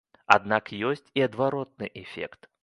Аднак ёсць і адваротны эфект.